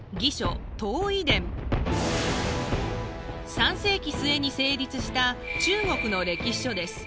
３世紀末に成立した中国の歴史書です。